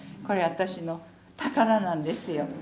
これ私の宝なんですよ。